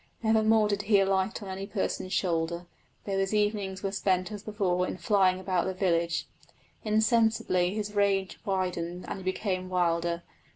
Never more did he alight on any person's shoulder, though his evenings were spent as before in flying about the village. Insensibly his range widened and he became wilder.